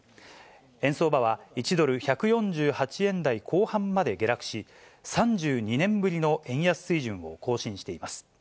円相場は、１ドル１４８円台後半まで下落し、３２年ぶりの円安水準を更新しています。